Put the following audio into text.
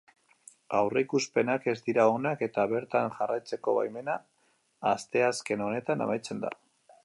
Aurreikuspenak ez dira onak eta bertan jarraitzeko baimena asteazken honetan amaitzen da.